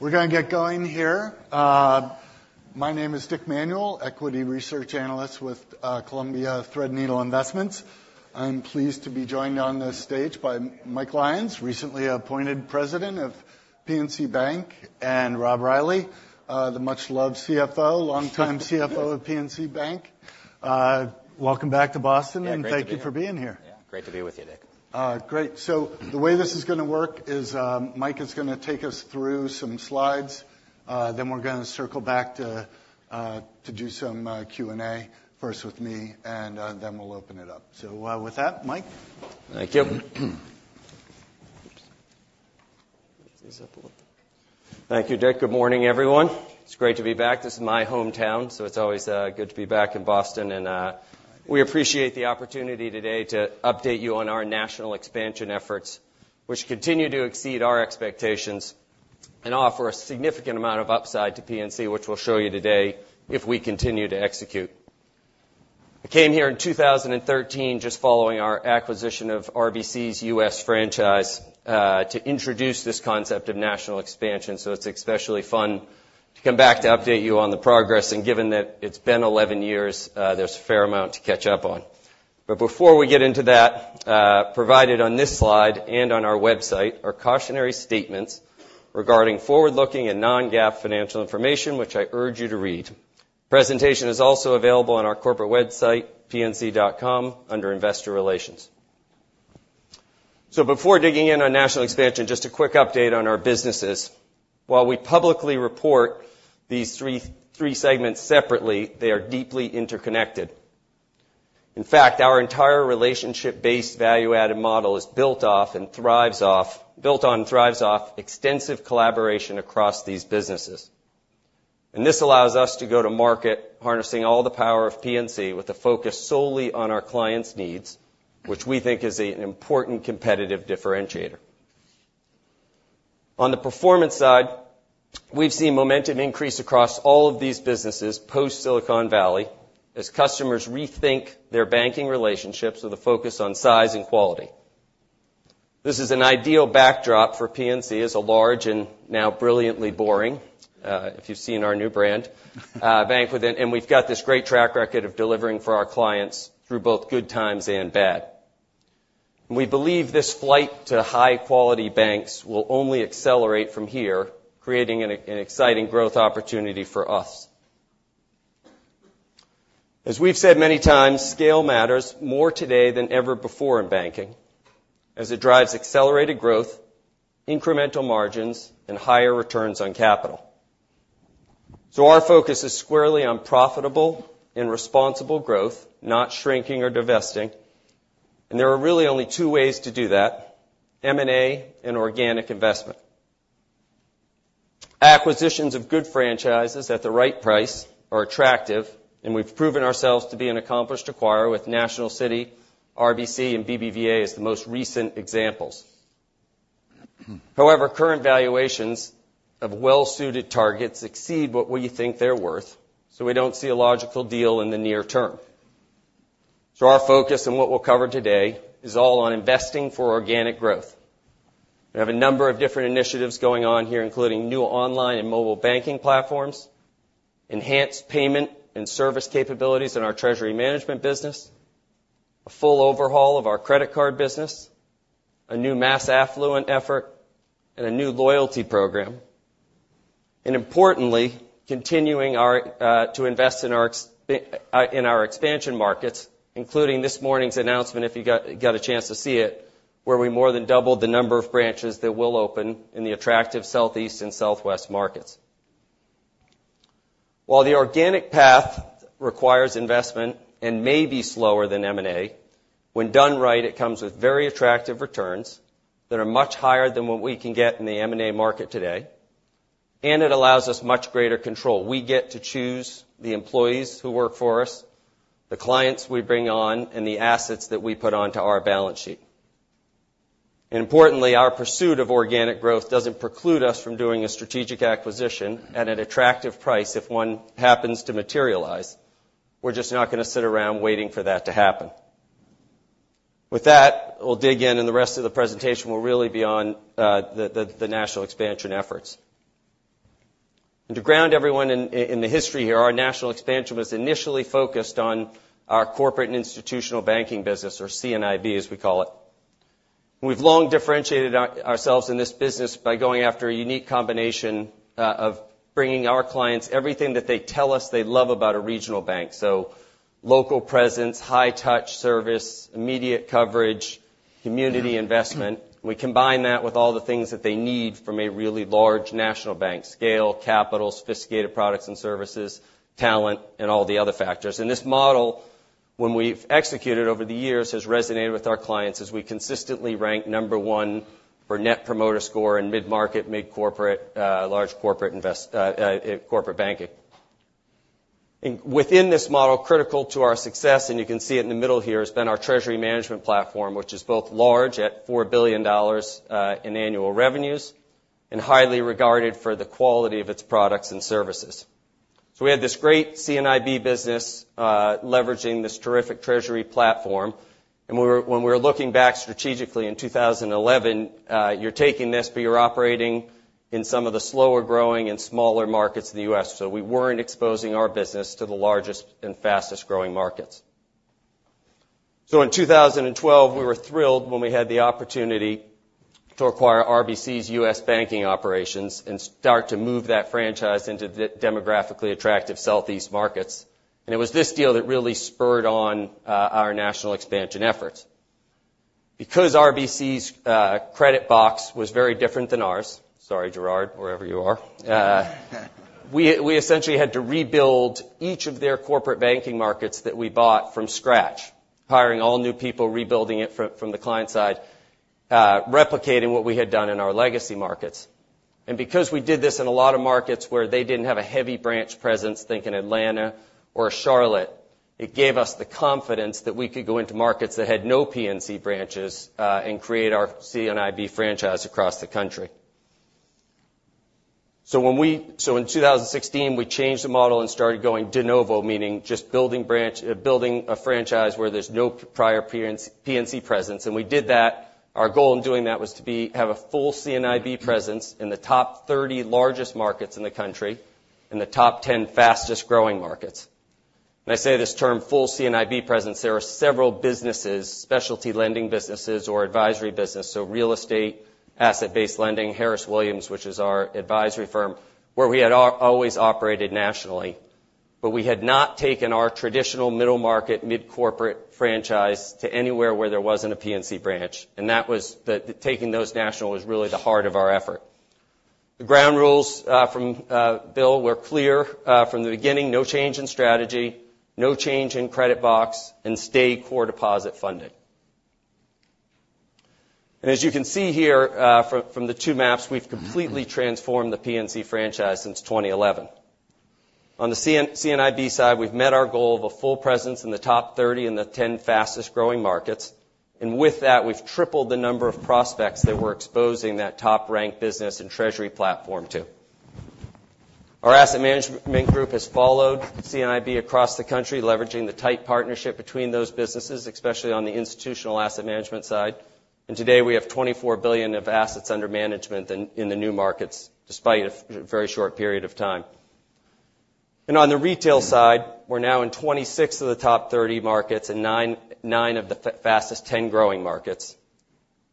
We're going to get going here. My name is Dick Manuel, Equity Research Analyst with Columbia Threadneedle Investments. I'm pleased to be joined on this stage by Mike Lyons, recently appointed President of PNC Bank, and Rob Reilly, the much-loved CFO, longtime CFO of PNC Bank. Welcome back to Boston, and thank you for being here. Great to be with you, Dick. Great. So the way this is going to work is Mike is going to take us through some slides, then we're going to circle back to do some Q&A first with me, and then we'll open it up. So with that, Mike. Thank you. Thank you, Dick. Good morning, everyone. It's great to be back. This is my hometown, so it's always good to be back in Boston, and we appreciate the opportunity today to update you on our national expansion efforts, which continue to exceed our expectations and offer a significant amount of upside to PNC, which we'll show you today if we continue to execute. I came here in 2013 just following our acquisition of RBC's U.S. franchise to introduce this concept of national expansion, so it's especially fun to come back to update you on the progress, and given that it's been 11 years, there's a fair amount to catch up on, but before we get into that, provided on this slide and on our website are cautionary statements regarding forward-looking and non-GAAP financial information, which I urge you to read. The presentation is also available on our corporate website, PNC.com, under Investor Relations, so before digging in on national expansion, just a quick update on our businesses. While we publicly report these three segments separately, they are deeply interconnected. In fact, our entire relationship-based value-added model is built off and thrives off, built on and thrives off extensive collaboration across these businesses, and this allows us to go to market, harnessing all the power of PNC with a focus solely on our clients' needs, which we think is an important competitive differentiator. On the performance side, we've seen momentum increase across all of these businesses post-Silicon Valley as customers rethink their banking relationships with a focus on size and quality. This is an ideal backdrop for PNC as a large and now Brilliantly Boring, if you've seen our new brand, bank within, and we've got this great track record of delivering for our clients through both good times and bad. We believe this flight to high-quality banks will only accelerate from here, creating an exciting growth opportunity for us. As we've said many times, scale matters more today than ever before in banking, as it drives accelerated growth, incremental margins, and higher returns on capital. So our focus is squarely on profitable and responsible growth, not shrinking or divesting, and there are really only two ways to do that: M&A and organic investment. Acquisitions of good franchises at the right price are attractive, and we've proven ourselves to be an accomplished acquirer with National City, RBC, and BBVA as the most recent examples. However, current valuations of well-suited targets exceed what we think they're worth, so we don't see a logical deal in the near term. So our focus and what we'll cover today is all on investing for organic growth. We have a number of different initiatives going on here, including new online and mobile banking platforms, enhanced payment and service capabilities in our treasury management business, a full overhaul of our credit card business, a new mass affluent effort, and a new loyalty program. And importantly, continuing to invest in our expansion markets, including this morning's announcement, if you got a chance to see it, where we more than doubled the number of branches that will open in the attractive Southeast and Southwest markets. While the organic path requires investment and may be slower than M&A, when done right, it comes with very attractive returns that are much higher than what we can get in the M&A market today. And it allows us much greater control. We get to choose the employees who work for us, the clients we bring on, and the assets that we put onto our balance sheet. And importantly, our pursuit of organic growth doesn't preclude us from doing a strategic acquisition at an attractive price if one happens to materialize. We're just not going to sit around waiting for that to happen. With that, we'll dig in, and the rest of the presentation will really be on the national expansion efforts. And to ground everyone in the history here, our national expansion was initially focused on our Corporate & Institutional Banking business, or C&IB, as we call it. We've long differentiated ourselves in this business by going after a unique combination of bringing our clients everything that they tell us they love about a regional bank. So local presence, high-touch service, immediate coverage, community investment. We combine that with all the things that they need from a really large national bank: scale, capital, sophisticated products and services, talent, and all the other factors. And this model, when we've executed over the years, has resonated with our clients as we consistently rank number one for Net Promoter Score in mid-market, mid-corporate, large corporate banking. And within this model, critical to our success, and you can see it in the middle here, has been our treasury management platform, which is both large at $4 billion in annual revenues and highly regarded for the quality of its products and services. So we had this great C&IB business leveraging this terrific treasury platform. And when we were looking back strategically in 2011, you're taking this, but you're operating in some of the slower-growing and smaller markets in the U.S. So in 2012, we were thrilled when we had the opportunity to acquire RBC's U.S. banking operations and start to move that franchise into demographically attractive Southeast markets. And it was this deal that really spurred on our national expansion efforts. Because RBC's credit box was very different than ours, sorry, Gerard, wherever you are, we essentially had to rebuild each of their corporate banking markets that we bought from scratch, hiring all new people, rebuilding it from the client side, replicating what we had done in our legacy markets. And because we did this in a lot of markets where they didn't have a heavy branch presence, thinking Atlanta or Charlotte, it gave us the confidence that we could go into markets that had no PNC branches and create our C&IB franchise across the country. So in 2016, we changed the model and started going de novo, meaning just building a franchise where there's no prior PNC presence. And we did that. Our goal in doing that was to have a full C&IB presence in the top 30 largest markets in the country and the top 10 fastest-growing markets. And I say this term full C&IB presence. There are several businesses, specialty lending businesses or advisory businesses, so real estate, asset-based lending, Harris Williams, which is our advisory firm, where we had always operated nationally. But we had not taken our traditional middle-market, mid-corporate franchise to anywhere where there wasn't a PNC branch. And taking those national was really the heart of our effort. The ground rules from Bill were clear from the beginning: no change in strategy, no change in credit box, and stay core deposit funding. And as you can see here from the two maps, we've completely transformed the PNC franchise since 2011. On the C&IB side, we've met our goal of a full presence in the top 30 and the 10 fastest-growing markets. And with that, we've tripled the number of prospects that we're exposing that top-ranked business and treasury platform to. Our Asset Management Group has followed C&IB across the country, leveraging the tight partnership between those businesses, especially on the institutional asset management side. And today, we have $24 billion of assets under management in the new markets despite a very short period of time. And on the Retail side, we're now in 26 of the top 30 markets and nine of the fastest 10 growing markets.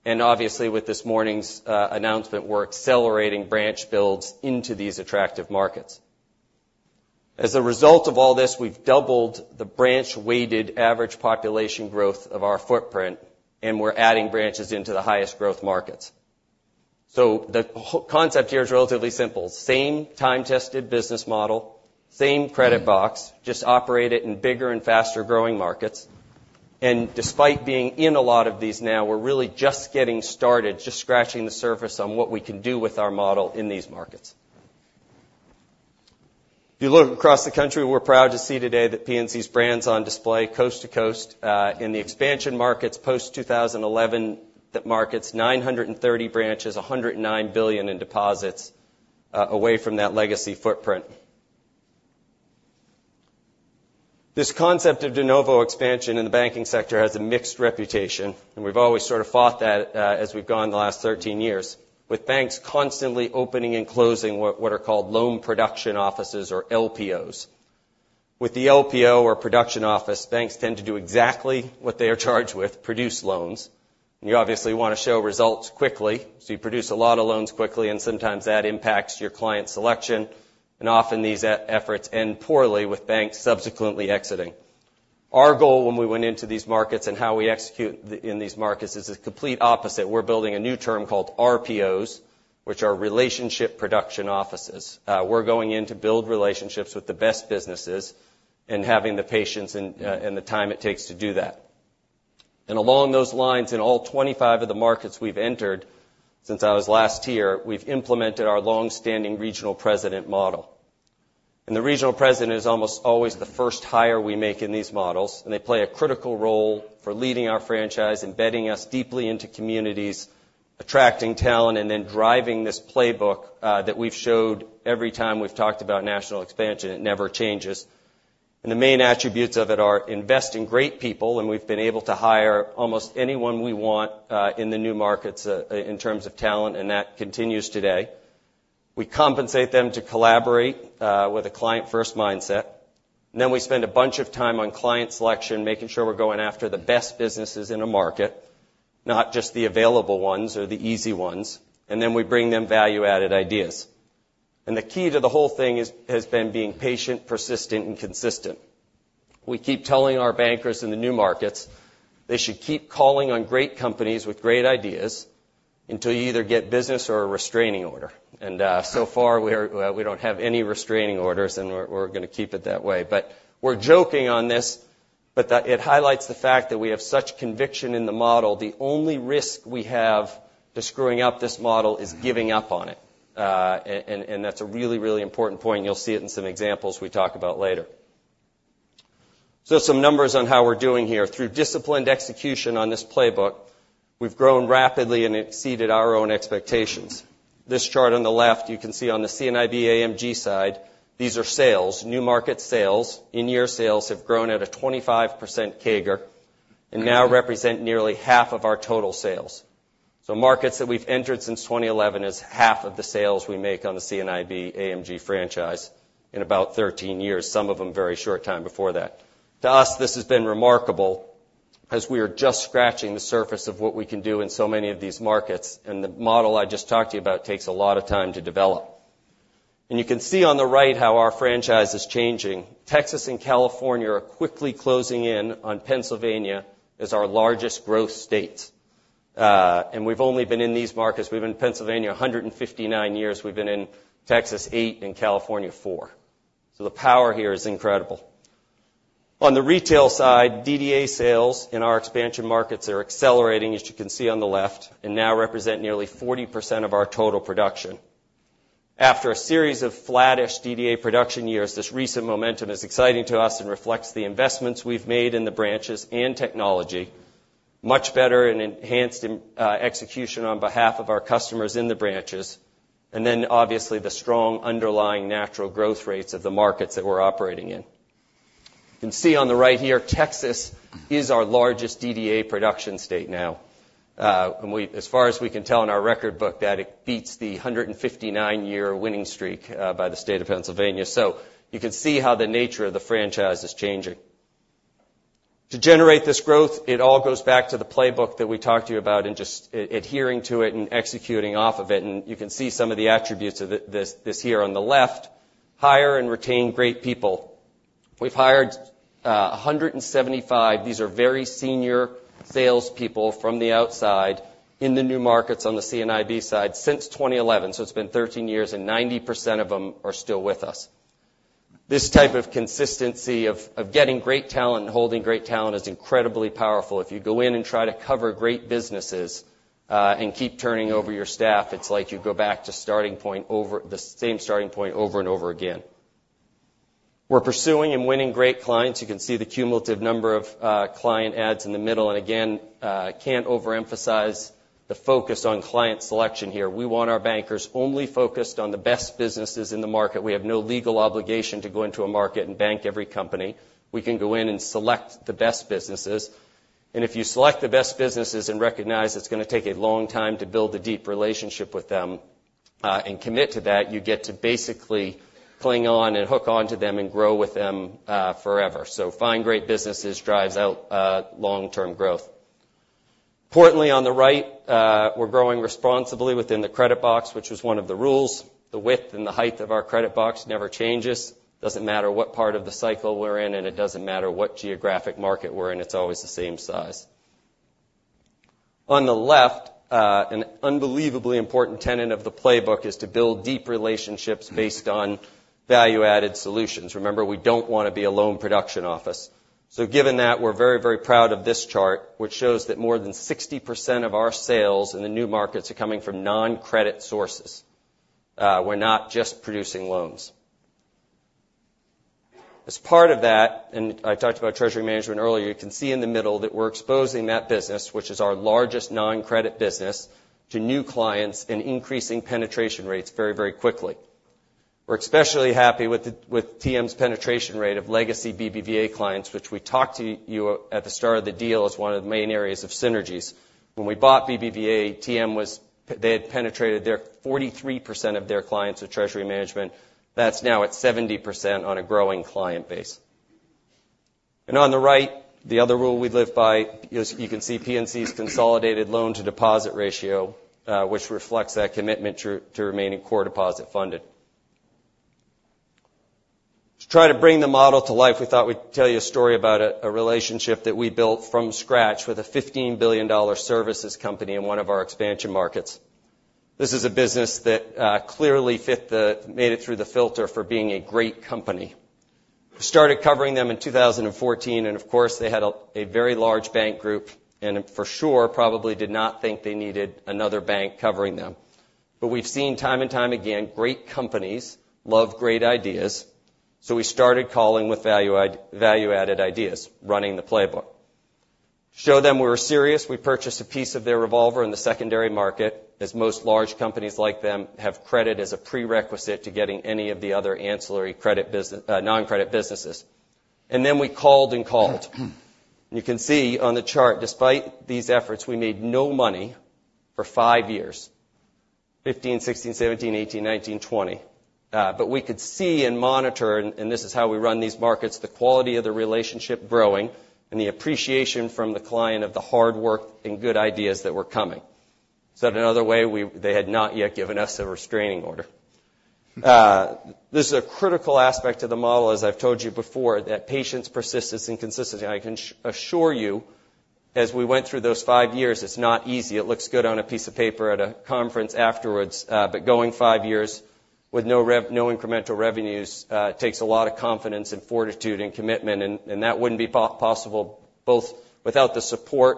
And obviously, with this morning's announcement, we're accelerating branch builds into these attractive markets. As a result of all this, we've doubled the branch-weighted average population growth of our footprint, and we're adding branches into the highest-growth markets. So the concept here is relatively simple: same time-tested business model, same credit box, just operate it in bigger and faster-growing markets. And despite being in a lot of these now, we're really just getting started, just scratching the surface on what we can do with our model in these markets. If you look across the country, we're proud to see today that PNC's brand's on display coast to coast in the expansion markets post-2011, the markets, 930 branches, $109 billion in deposits away from that legacy footprint. This concept of de novo expansion in the banking sector has a mixed reputation, and we've always sort of fought that as we've gone the last 13 years, with banks constantly opening and closing what are called loan production offices or LPOs. With the LPO or production office, banks tend to do exactly what they are charged with: produce loans. And you obviously want to show results quickly, so you produce a lot of loans quickly, and sometimes that impacts your client selection. And often, these efforts end poorly, with banks subsequently exiting. Our goal when we went into these markets and how we execute in these markets is the complete opposite. We're building a new term called RPOs, which are relationship production offices. We're going in to build relationships with the best businesses, and having the patience and the time it takes to do that, and along those lines, in all 25 of the markets we've entered since I was last here, we've implemented our long-standing regional president model, and the regional president is almost always the first hire we make in these models, and they play a critical role for leading our franchise, embedding us deeply into communities, attracting talent, and then driving this playbook that we've showed every time we've talked about national expansion. It never changes, and the main attributes of it are investing great people, and we've been able to hire almost anyone we want in the new markets in terms of talent, and that continues today. We compensate them to collaborate with a client-first mindset. And then we spend a bunch of time on client selection, making sure we're going after the best businesses in a market, not just the available ones or the easy ones. And then we bring them value-added ideas. And the key to the whole thing has been being patient, persistent, and consistent. We keep telling our bankers in the new markets they should keep calling on great companies with great ideas until you either get business or a restraining order. And so far, we don't have any restraining orders, and we're going to keep it that way. But we're joking on this, but it highlights the fact that we have such conviction in the model. The only risk we have to screwing up this model is giving up on it. And that's a really, really important point. You'll see it in some examples we talk about later. So some numbers on how we're doing here. Through disciplined execution on this playbook, we've grown rapidly and exceeded our own expectations. This chart on the left, you can see on the C&IB AMG side, these are sales. New market sales, in-year sales have grown at a 25% CAGR and now represent nearly half of our total sales. So markets that we've entered since 2011 is half of the sales we make on the C&IB AMG franchise in about 13 years, some of them very short time before that. To us, this has been remarkable because we are just scratching the surface of what we can do in so many of these markets, and the model I just talked to you about takes a lot of time to develop. And you can see on the right how our franchise is changing. Texas and California are quickly closing in on Pennsylvania as our largest growth states, and we've only been in these markets. We've been in Pennsylvania 159 years. We've been in Texas eight and California four, so the power here is incredible. On the Retail side, DDA sales in our expansion markets are accelerating, as you can see on the left, and now represent nearly 40% of our total production. After a series of flattish DDA production years, this recent momentum is exciting to us and reflects the investments we've made in the branches and technology, much better and enhanced execution on behalf of our customers in the branches, and then obviously the strong underlying natural growth rates of the markets that we're operating in. You can see on the right here, Texas is our largest DDA production state now. And as far as we can tell in our record book, that it beats the 159-year winning streak by the state of Pennsylvania. So you can see how the nature of the franchise is changing. To generate this growth, it all goes back to the playbook that we talked to you about and just adhering to it and executing off of it. And you can see some of the attributes of this here on the left. Hire and retain great people. We've hired 175. These are very senior salespeople from the outside in the new markets on the C&IB side since 2011. So it's been 13 years, and 90% of them are still with us. This type of consistency of getting great talent and holding great talent is incredibly powerful. If you go in and try to cover great businesses and keep turning over your staff, it's like you go back to the same starting point over and over again. We're pursuing and winning great clients. You can see the cumulative number of client adds in the middle, and again, can't overemphasize the focus on client selection here. We want our bankers only focused on the best businesses in the market. We have no legal obligation to go into a market and bank every company, and we can go in and select the best businesses. And if you select the best businesses and recognize it's going to take a long time to build a deep relationship with them and commit to that, you get to basically cling on and hook onto them and grow with them forever, so finding great businesses drives our long-term growth. Importantly, on the right, we're growing responsibly within the credit box, which was one of the rules. The width and the height of our credit box never changes. It doesn't matter what part of the cycle we're in, and it doesn't matter what geographic market we're in. It's always the same size. On the left, an unbelievably important tenet of the playbook is to build deep relationships based on value-added solutions. Remember, we don't want to be a Loan Production Office. So given that, we're very, very proud of this chart, which shows that more than 60% of our sales in the new markets are coming from non-credit sources. We're not just producing loans. As part of that, and I talked about treasury management earlier, you can see in the middle that we're exposing that business, which is our largest non-credit business, to new clients and increasing penetration rates very, very quickly. We're especially happy with TM's penetration rate of legacy BBVA clients, which we talked to you at the start of the deal as one of the main areas of synergies. When we bought BBVA, TM had penetrated 43% of their clients with treasury management. That's now at 70% on a growing client base. And on the right, the other rule we live by, you can see PNC's consolidated loan-to-deposit ratio, which reflects that commitment to remaining core deposit funded. To try to bring the model to life, we thought we'd tell you a story about a relationship that we built from scratch with a $15 billion services company in one of our expansion markets. This is a business that clearly made it through the filter for being a great company. We started covering them in 2014, and of course, they had a very large bank group and for sure probably did not think they needed another bank covering them. But we've seen time and time again, great companies love great ideas, so we started calling with value-added ideas, running the playbook. To show them we were serious, we purchased a piece of their revolver in the secondary market, as most large companies like them have credit as a prerequisite to getting any of the other ancillary non-credit businesses, and then we called and called. You can see on the chart, despite these efforts, we made no money for five years: 2015, 2016, 2017, 2018, 2019, 2020. But we could see and monitor, and this is how we run these markets, the quality of the relationship growing and the appreciation from the client of the hard work and good ideas that were coming. Said another way, they had not yet given us a restraining order. This is a critical aspect of the model, as I've told you before, that patience, persistence, and consistency. I can assure you, as we went through those five years, it's not easy. It looks good on a piece of paper at a conference afterwards, but going five years with no incremental revenues takes a lot of confidence and fortitude and commitment. And that wouldn't be possible both without the support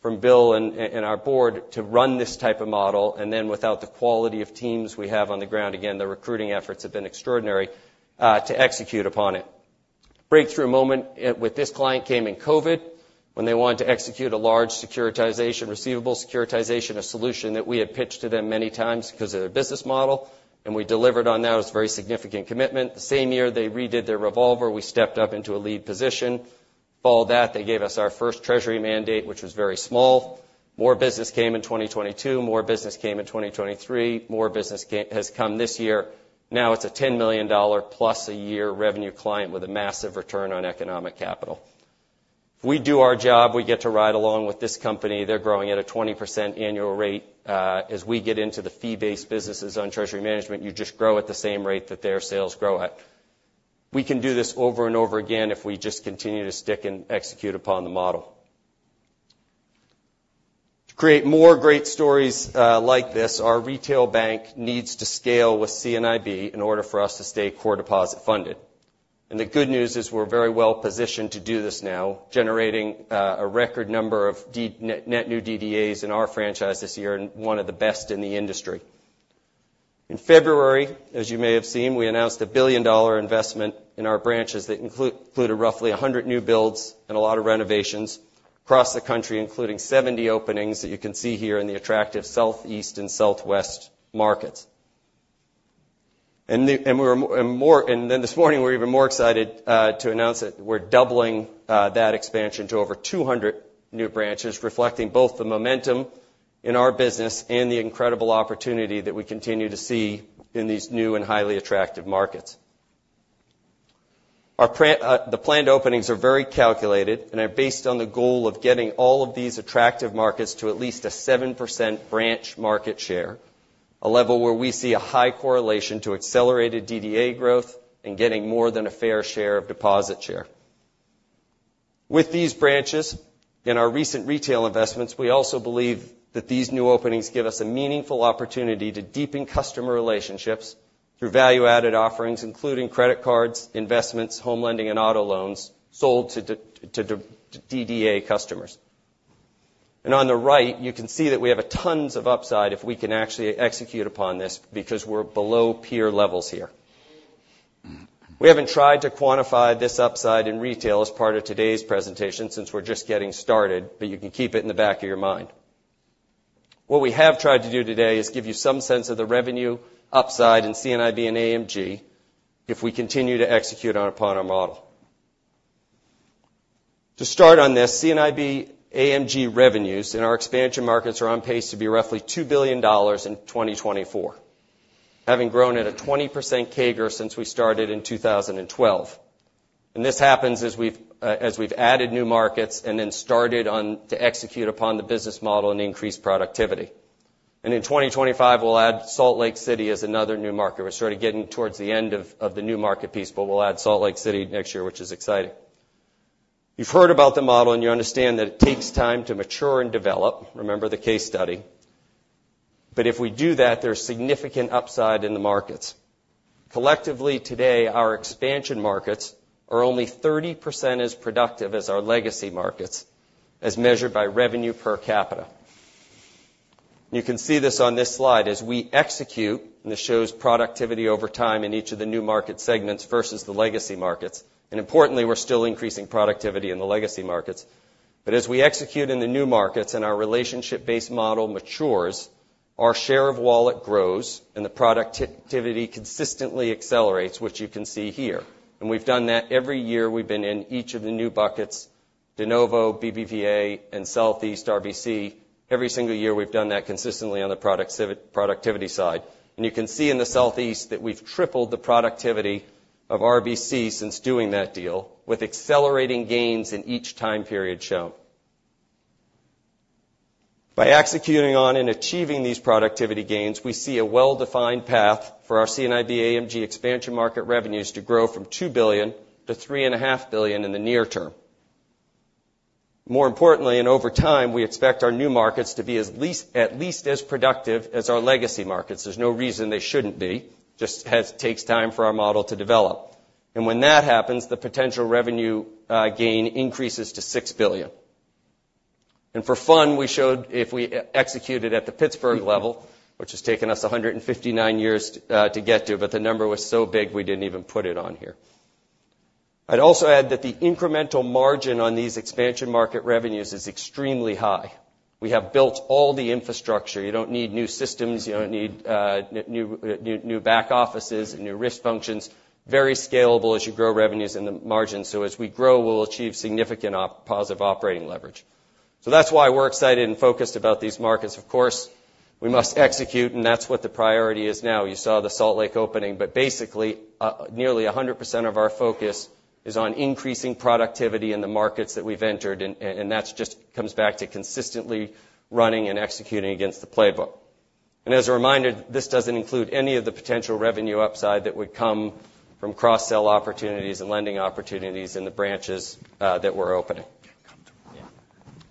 from Bill and our board to run this type of model, and then without the quality of teams we have on the ground. Again, the recruiting efforts have been extraordinary to execute upon it. Breakthrough moment with this client came in COVID when they wanted to execute a large securitization, receivable securitization, a solution that we had pitched to them many times because of their business model, and we delivered on that. It was a very significant commitment. The same year, they redid their revolver. We stepped up into a lead position. Follow that, they gave us our first treasury mandate, which was very small. More business came in 2022. More business came in 2023. More business has come this year. Now it's a $10 million plus a year revenue client with a massive return on economic capital. If we do our job, we get to ride along with this company. They're growing at a 20% annual rate. As we get into the fee-based businesses on treasury management, you just grow at the same rate that their sales grow at. We can do this over and over again if we just continue to stick and execute upon the model. To create more great stories like this, our Retail Bank needs to scale with C&IB in order for us to stay core deposit funded. And the good news is we're very well positioned to do this now, generating a record number of net new DDAs in our franchise this year, and one of the best in the industry. In February, as you may have seen, we announced a $1 billion investment in our branches that included roughly 100 new builds and a lot of renovations across the country, including 70 openings that you can see here in the attractive Southeast and Southwest markets. And then this morning, we're even more excited to announce that we're doubling that expansion to over 200 new branches, reflecting both the momentum in our business and the incredible opportunity that we continue to see in these new and highly attractive markets. The planned openings are very calculated and are based on the goal of getting all of these attractive markets to at least a 7% branch market share, a level where we see a high correlation to accelerated DDA growth and getting more than a fair share of deposit share. With these branches and our recent retail investments, we also believe that these new openings give us a meaningful opportunity to deepen customer relationships through value-added offerings, including credit cards, investments, home lending, and auto loans sold to DDA customers, and on the right, you can see that we have tons of upside if we can actually execute upon this because we're below peer levels here. We haven't tried to quantify this upside in retail as part of today's presentation since we're just getting started, but you can keep it in the back of your mind. What we have tried to do today is give you some sense of the revenue upside in C&IB and AMG if we continue to execute upon our model. To start on this, C&IB AMG revenues in our expansion markets are on pace to be roughly $2 billion in 2024, having grown at a 20% CAGR since we started in 2012. And in 2025, we'll add Salt Lake City as another new market. We're sort of getting towards the end of the new market piece, but we'll add Salt Lake City next year, which is exciting. You've heard about the model, and you understand that it takes time to mature and develop. Remember the case study. But if we do that, there's significant upside in the markets. Collectively today, our expansion markets are only 30% as productive as our legacy markets, as measured by revenue per capita. You can see this on this slide as we execute, and this shows productivity over time in each of the new market segments versus the legacy markets. And importantly, we're still increasing productivity in the legacy markets. But as we execute in the new markets and our relationship-based model matures, our share of wallet grows and the productivity consistently accelerates, which you can see here. And we've done that every year we've been in each of the new buckets, De Novo, BBVA, and Southeast RBC. Every single year, we've done that consistently on the productivity side. And you can see in the Southeast that we've tripled the productivity of RBC since doing that deal with accelerating gains in each time period shown. By executing on and achieving these productivity gains, we see a well-defined path for our C&IB AMG expansion market revenues to grow from $2 billion-$3.5 billion in the near term. More importantly, and over time, we expect our new markets to be at least as productive as our legacy markets. There's no reason they shouldn't be. It just takes time for our model to develop. And when that happens, the potential revenue gain increases to $6 billion. And for fun, we showed if we executed at the Pittsburgh level, which has taken us 159 years to get to, but the number was so big we didn't even put it on here. I'd also add that the incremental margin on these expansion market revenues is extremely high. We have built all the infrastructure. You don't need new systems. You don't need new back offices and new risk functions. Very scalable as you grow revenues and the margins. So as we grow, we'll achieve significant positive operating leverage. So that's why we're excited and focused about these markets. Of course, we must execute, and that's what the priority is now. You saw the Salt Lake opening, but basically, nearly 100% of our focus is on increasing productivity in the markets that we've entered, and that just comes back to consistently running and executing against the playbook. And as a reminder, this doesn't include any of the potential revenue upside that would come from cross-sell opportunities and lending opportunities in the branches that we're opening.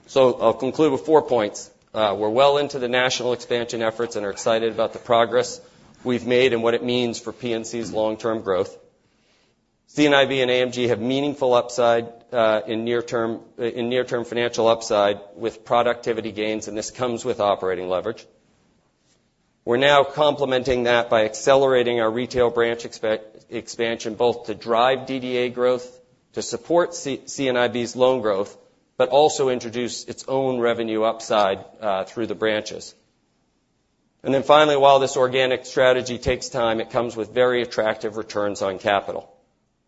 So I'll conclude with four points. We're well into the national expansion efforts and are excited about the progress we've made and what it means for PNC's long-term growth. C&IB and AMG have meaningful upside in near-term financial upside with productivity gains, and this comes with operating leverage. We're now complementing that by accelerating our retail branch expansion both to drive DDA growth, to support C&IB's loan growth, but also introduce its own revenue upside through the branches. And then finally, while this organic strategy takes time, it comes with very attractive returns on capital.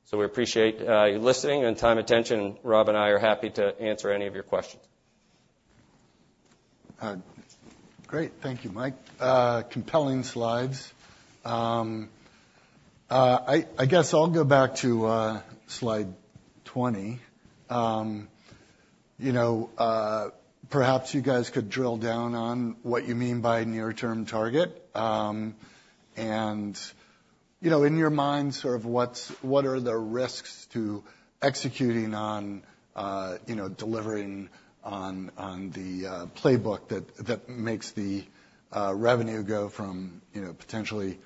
So we appreciate you listening and your time and attention. Rob and I are happy to answer any of your questions. Great. Thank you, Mike. Compelling slides. I guess I'll go back to slide 20. Perhaps you guys could drill down on what you mean by near-term target. And in your mind, sort of what are the risks to executing on delivering on the playbook that makes the revenue go from potentially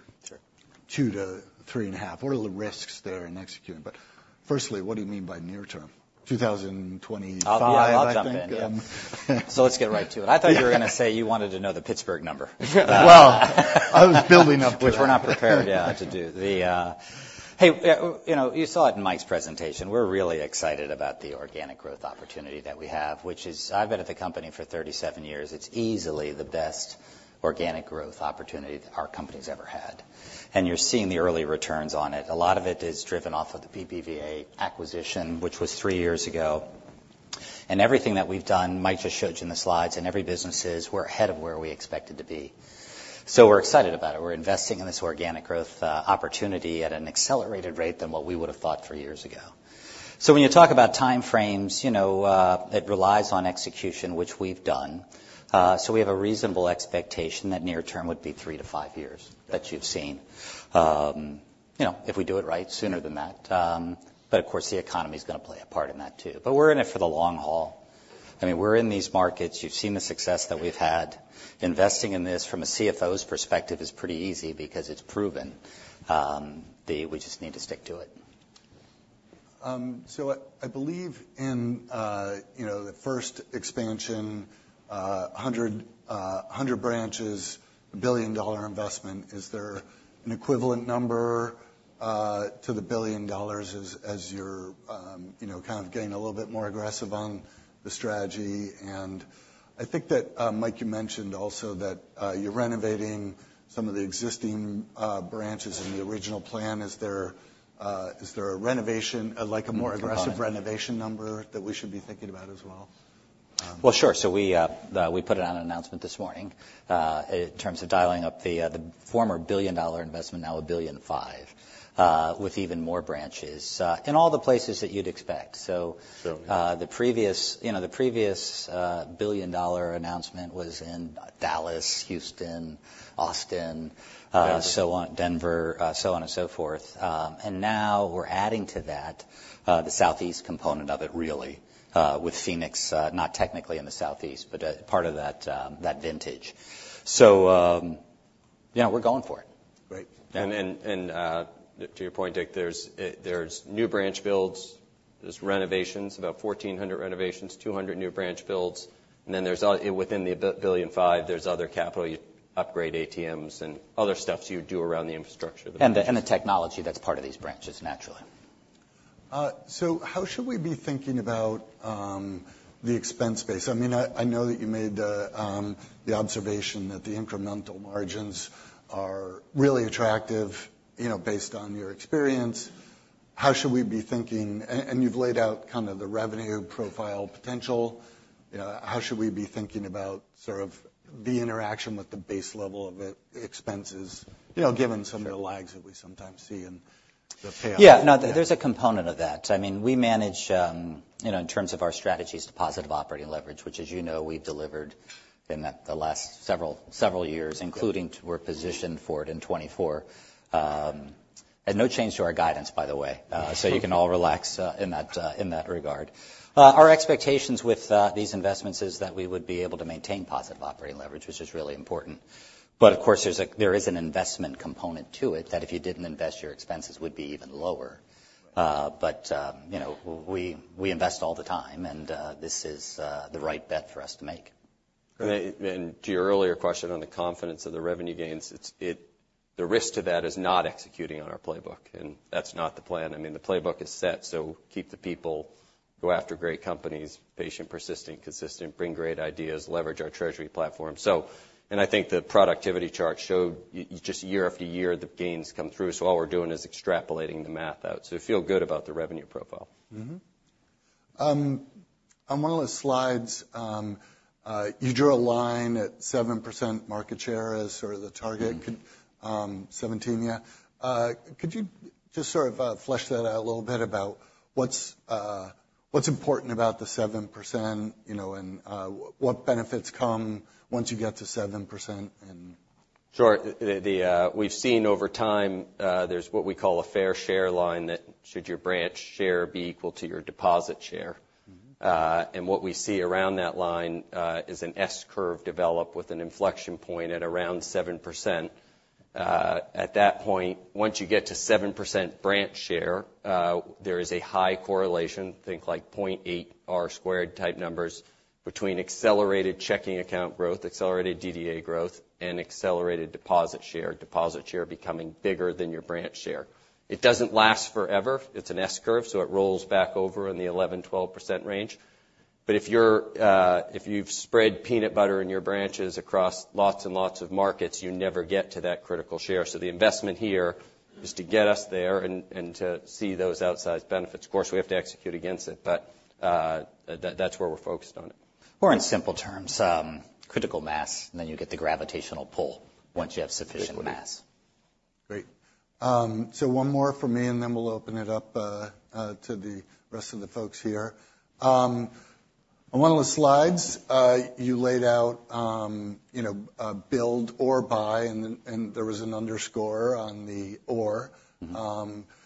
$2-$3.5? What are the risks there in executing? But firstly, what do you mean by near-term? 2025, I think. So let's get right to it. I thought you were going to say you wanted to know the Pittsburgh number. Well, I was building up to it. Which we're not prepared, yeah, to do. Hey, you saw it in Mike's presentation. We're really excited about the organic growth opportunity that we have, which is, I've been at the company for 37 years. It's easily the best organic growth opportunity our company's ever had. And you're seeing the early returns on it. A lot of it is driven off of the BBVA acquisition, which was three years ago. And everything that we've done, Mike just showed you in the slides, and every business is, we're ahead of where we expected to be. So we're excited about it. We're investing in this organic growth opportunity at an accelerated rate than what we would have thought three years ago. So when you talk about time frames, it relies on execution, which we've done. So we have a reasonable expectation that near-term would be three to five years that you've seen if we do it right sooner than that. But of course, the economy is going to play a part in that too. But we're in it for the long haul. I mean, we're in these markets. You've seen the success that we've had. Investing in this from a CFO's perspective is pretty easy because it's proven. We just need to stick to it. So I believe in the first expansion, 100 branches, a billion-dollar investment. Is there an equivalent number to the $1 billion as you're kind of getting a little bit more aggressive on the strategy? I think that, Mike, you mentioned also that you're renovating some of the existing branches in the original plan. Is there a renovation, like a more aggressive renovation number that we should be thinking about as well? Well, sure. So we put it on an announcement this morning in terms of dialing up the former $1 billion investment, now $1.5 billion, with even more branches in all the places that you'd expect. So the previous $1 billion announcement was in Dallas, Houston, Austin, so on, Denver, so on and so forth. And now we're adding to that the Southeast component of it, really, with Phoenix, not technically in the Southeast, but part of that vintage. So yeah, we're going for it. Great. And to your point, Dick, there's new branch builds, there's renovations, about 1,400 renovations, 200 new branch builds. And then within the $1.5 billion, there's other capital upgrade ATMs and other stuff you do around the infrastructure. And the technology that's part of these branches, naturally. How should we be thinking about the expense base? I mean, I know that you made the observation that the incremental margins are really attractive based on your experience. How should we be thinking? And you've laid out kind of the revenue profile potential. How should we be thinking about sort of the interaction with the base level of expenses, given some of the lags that we sometimes see in the payout? Yeah, no, there's a component of that. I mean, we manage, in terms of our strategies, the positive operating leverage, which, as you know, we've delivered in the last several years, including we're positioned for it in 2024. And no change to our guidance, by the way. So you can all relax in that regard. Our expectations with these investments is that we would be able to maintain positive operating leverage, which is really important. But of course, there is an investment component to it that if you didn't invest, your expenses would be even lower. But we invest all the time, and this is the right bet for us to make. And to your earlier question on the confidence of the revenue gains, the risk to that is not executing on our playbook. And that's not the plan. I mean, the playbook is set. So keep the people, go after great companies, patient, persistent, consistent, bring great ideas, leverage our treasury platform. And I think the productivity chart showed just year after year the gains come through. So all we're doing is extrapolating the math out. So feel good about the revenue profile. On one of the slides, you drew a line at 7% market share as sort of the target, 17, yeah. Could you just sort of flesh that out a little bit about what's important about the 7% and what benefits come once you get to 7%? Sure. We've seen over time there's what we call a fair share line that should your branch share be equal to your deposit share. And what we see around that line is an S-curve develop with an inflection point at around 7%. At that point, once you get to 7% branch share, there is a high correlation, think like 0.8 R-squared type numbers between accelerated checking account growth, accelerated DDA growth, and accelerated deposit share, deposit share becoming bigger than your branch share. It doesn't last forever. It's an S-curve, so it rolls back over in the 11%-12% range. But if you've spread peanut butter in your branches across lots and lots of markets, you never get to that critical share. So the investment here is to get us there and to see those outsized benefits. Of course, we have to execute against it, but that's where we're focused on it. Or in simple terms, critical mass, and then you get the gravitational pull once you have sufficient mass. Great. So one more from me, and then we'll open it up to the rest of the folks here. On one of the slides, you laid out build or buy, and there was an underscore on the or.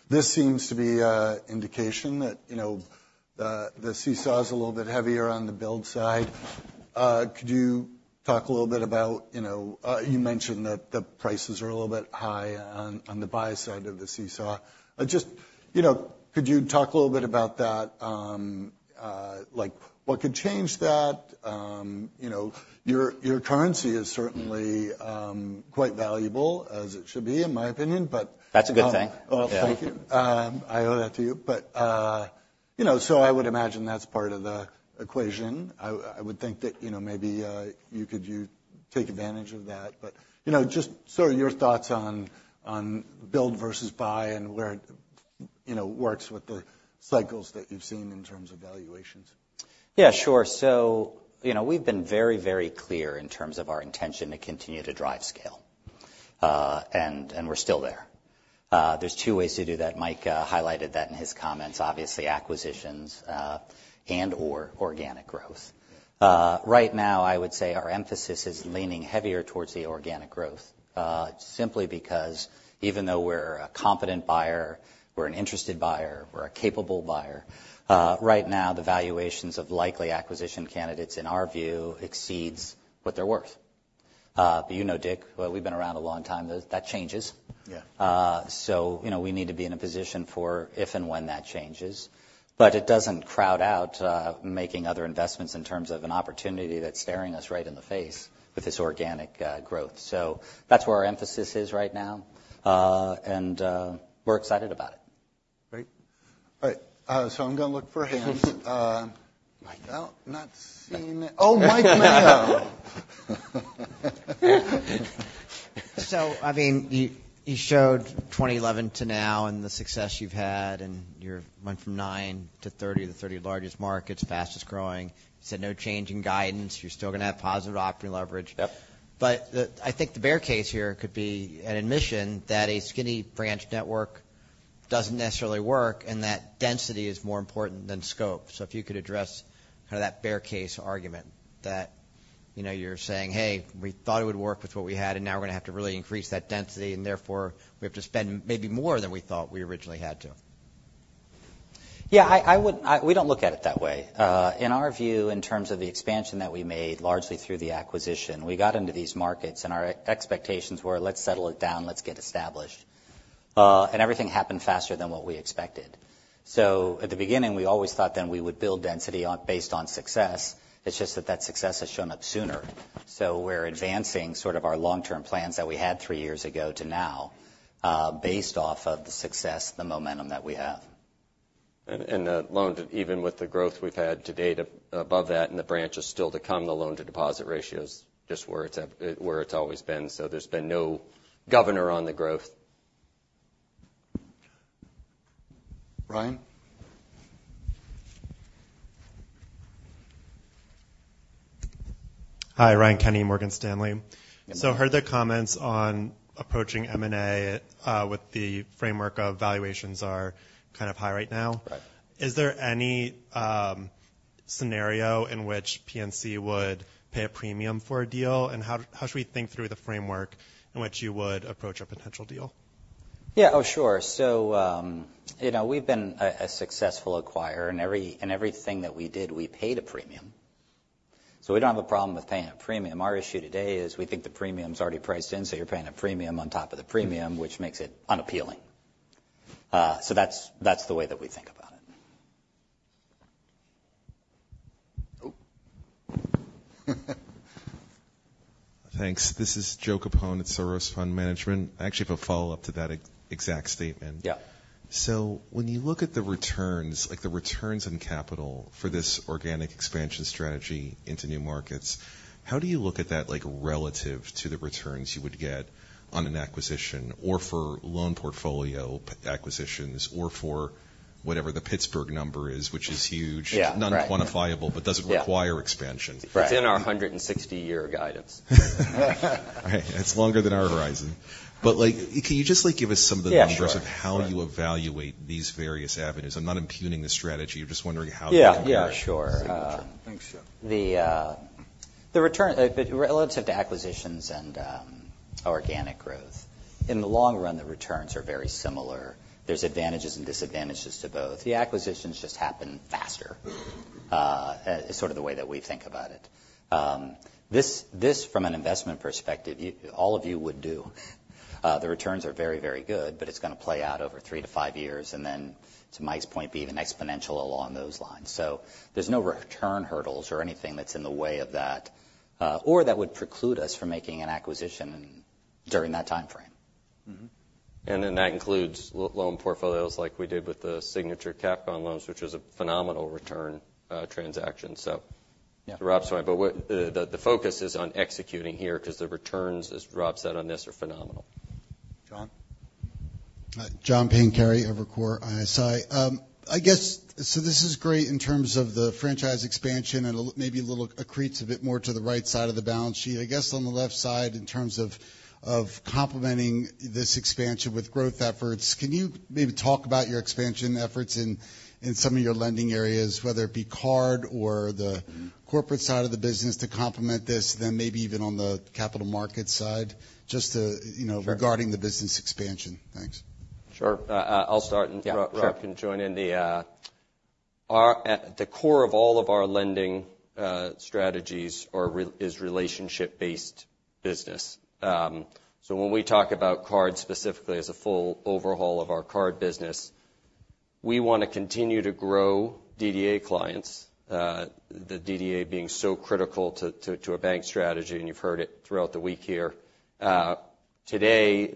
This seems to be an indication that the CSAW is a little bit heavier on the build side. Could you talk a little bit about you mentioned that the prices are a little bit high on the buy side of the CSAW? Just could you talk a little bit about that? What could change that? Your currency is certainly quite valuable, as it should be, in my opinion, but That's a good thing. Oh, thank you. I owe that to you. But so I would imagine that's part of the equation. I would think that maybe you could take advantage of that. But just sort of your thoughts on build versus buy and where it works with the cycles that you've seen in terms of valuations. Yeah, sure. So we've been very, very clear in terms of our intention to continue to drive scale. And we're still there. There's two ways to do that. Mike highlighted that in his comments, obviously acquisitions and/or organic growth. Right now, I would say our emphasis is leaning heavier towards the organic growth simply because even though we're a competent buyer, we're an interested buyer, we're a capable buyer. Right now the valuations of likely acquisition candidates, in our view, exceed what they're worth. But you know, Dick, we've been around a long time. That changes. So we need to be in a position for if and when that changes. But it doesn't crowd out making other investments in terms of an opportunity that's staring us right in the face with this organic growth. So that's where our emphasis is right now, and we're excited about it. Great. All right. So I'm going to look for hands. Mike. Oh, Mike McDowell. So I mean, you showed 2011 to now and the success you've had and you're went from nine to 30 of the 30 largest markets, fastest growing. You said no change in guidance. You're still going to have positive operating leverage. But I think the bear case here could be an admission that a skinny branch network doesn't necessarily work and that density is more important than scope. So if you could address kind of that bear case argument that you're saying, "Hey, we thought it would work with what we had, and now we're going to have to really increase that density, and therefore we have to spend maybe more than we thought we originally had to." Yeah, we don't look at it that way. In our view, in terms of the expansion that we made largely through the acquisition, we got into these markets and our expectations were, "Let's settle it down. Let's get established, and everything happened faster than what we expected. So at the beginning, we always thought then we would build density based on success. It's just that that success has shown up sooner. So we're advancing sort of our long-term plans that we had three years ago to now based off of the success, the momentum that we have. And loan, even with the growth we've had to date above that and the branches still to come, the loan-to-deposit ratio is just where it's always been. So there's been no governor on the growth. Ryan? Hi, Ryan Kenny, Morgan Stanley. So I heard the comments on approaching M&A with the framework of valuations are kind of high right now. Is there any scenario in which PNC would pay a premium for a deal? And how should we think through the framework in which you would approach a potential deal? Yeah, oh, sure. So we've been a successful acquirer, and everything that we did, we paid a premium. So we don't have a problem with paying a premium. Our issue today is we think the premium's already priced in, so you're paying a premium on top of the premium, which makes it unappealing. So that's the way that we think about it. Thanks. This is Joe Capone at Soros Fund Management. I actually have a follow-up to that exact statement. So when you look at the returns on capital for this organic expansion strategy into new markets, how do you look at that relative to the returns you would get on an acquisition or for loan portfolio acquisitions or for whatever the Pittsburgh number is, which is huge, non-quantifiable, but doesn't require expansion? It's in our 160-year guidance. Right. It's longer than our horizon. But can you just give us some of the numbers of how you evaluate these various avenues? I'm not impugning the strategy. I'm just wondering how you compare. Yeah, sure. Thanks, Joe. The returns relative to acquisitions and organic growth, in the long run, the returns are very similar. There's advantages and disadvantages to both. The acquisitions just happen faster, sort of the way that we think about it. This, from an investment perspective, all of you would do. The returns are very, very good, but it's going to play out over three to five years, and then, to Mike's point, be an exponential along those lines. So there's no return hurdles or anything that's in the way of that or that would preclude us from making an acquisition during that timeframe. That includes loan portfolios like we did with the Signature Bank loans, which was a phenomenal return transaction. So Rob's fine. But the focus is on executing here because the returns, as Rob said on this, are phenomenal. John? John Pancari, Evercore ISI. I guess, so this is great in terms of the franchise expansion and maybe a little accretes a bit more to the right side of the balance sheet. I guess on the left side, in terms of complementing this expansion with growth efforts, can you maybe talk about your expansion efforts in some of your lending areas, whether it be card or the Corporate side of the business to complement this, then maybe even on the capital market side, just regarding the business expansion? Thanks. Sure. I'll start, and Rob can join in. The core of all of our lending strategies is relationship-based business. So when we talk about card specifically as a full overhaul of our card business, we want to continue to grow DDA clients, the DDA being so critical to a bank strategy, and you've heard it throughout the week here. Today,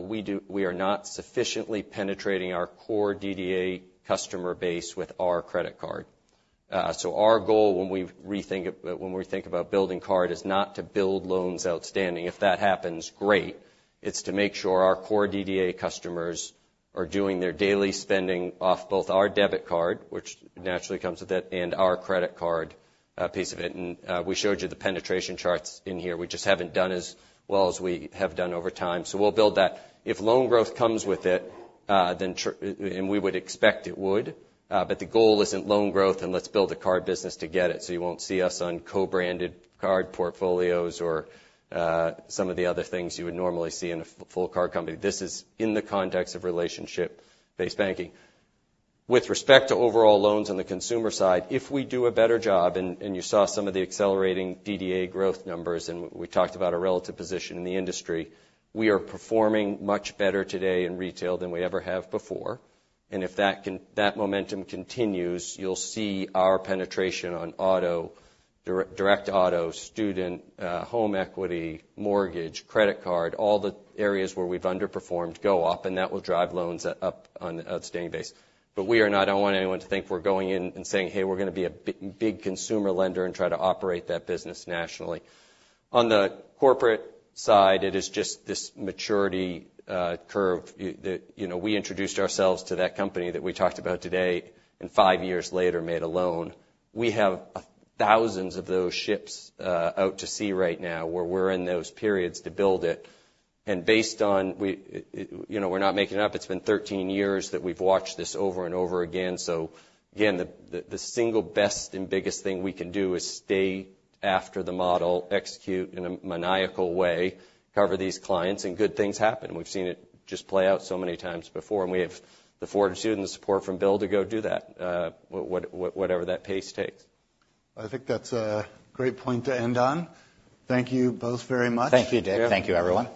we are not sufficiently penetrating our core DDA customer base with our credit card. So our goal when we think about building card is not to build loans outstanding. If that happens, great. It's to make sure our core DDA customers are doing their daily spending off both our debit card, which naturally comes with it, and our credit card piece of it. And we showed you the penetration charts in here. We just haven't done as well as we have done over time. So we'll build that. If loan growth comes with it, then we would expect it would. But the goal isn't loan growth, and let's build a card business to get it so you won't see us on co-branded card portfolios or some of the other things you would normally see in a full card company. This is in the context of relationship-based banking. With respect to overall loans on the consumer side, if we do a better job, and you saw some of the accelerating DDA growth numbers, and we talked about a relative position in the industry, we are performing much better today in retail than we ever have before. And if that momentum continues, you'll see our penetration on auto, direct auto, student, home equity, mortgage, credit card, all the areas where we've underperformed go up, and that will drive loans up on an outstanding base. But I don't want anyone to think we're going in and saying, "Hey, we're going to be a big consumer lender and try to operate that business nationally." On the Corporate side, it is just this maturity curve. We introduced ourselves to that company that we talked about today, and five years later, made a loan. We have thousands of those ships out to sea right now where we're in those periods to build it. And based on we're not making it up. It's been 13 years that we've watched this over and over again. So again, the single best and biggest thing we can do is stay after the model, execute in a maniacal way, cover these clients, and good things happen. We've seen it just play out so many times before, and we have the full and steadfast support from Bill to go do that, whatever that pace takes. I think that's a great point to end on. Thank you both very much. Thank you, Dick. Thank you, everyone.